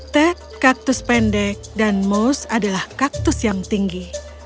ted kaktus pendek dan moose adalah kaktus yang tinggi